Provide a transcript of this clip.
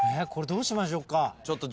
これどうしましょうか。